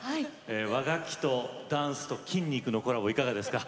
和楽器とダンスと筋肉のコラボいかがですか？